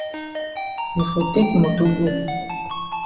You for take moto go.